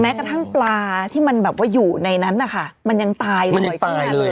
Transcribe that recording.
แม้กระทั่งปลาที่มันแบบว่าอยู่ในนั้นอ่ะค่ะมันยังตายเลยมันยังตายเลยอ่ะ